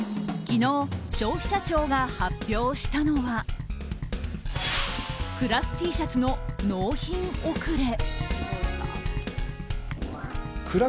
昨日、消費者庁が発表したのはクラスＴシャツの納品遅れ。